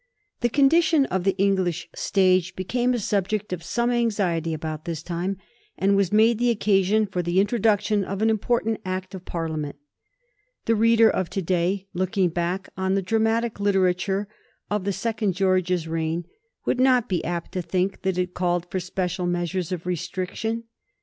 The condition of tbe English stage became a subject of some anitiety about this time, and was made the occa sion for the introduction of an important Act of Parlia ment. The reader of to day, looking back on the dramatic literature of the second George's reign, would not be apt to think that it called for special measures of restriction.